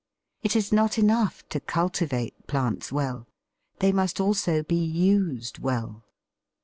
It is not enough to cultivate plants well; they must also be used well.